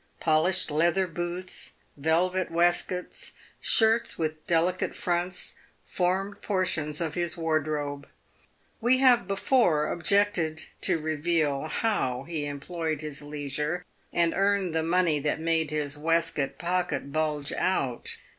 Polished leather boots, velvet waistcoats, shirts with deli cate fronts, formed portions of his wardrobe. We have before ob jected to reveal how he employed his leisure and earned the money that made his waistcoat pocket bulge out.